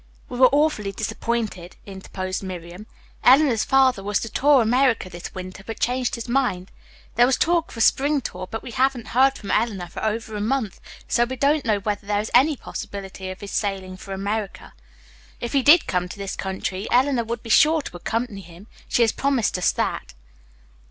"We were awfully disappointed," interposed Miriam. "Eleanor's father was to tour America this winter, but changed his mind. There was talk of a spring tour, but we haven't heard from Eleanor for over a month, so we don't know whether there is any possibility of his sailing for America. If he did come to this country, Eleanor would be sure to accompany him. She has promised us that."